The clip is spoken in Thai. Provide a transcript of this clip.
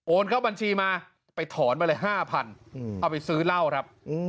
เข้าบัญชีมาไปถอนมาเลย๕๐๐๐เอาไปซื้อเหล้าครับ